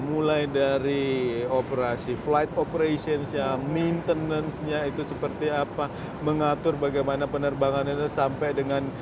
mulai dari operasi flight operations nya maintenance nya itu seperti apa mengatur bagaimana penerbangan itu sampai dengan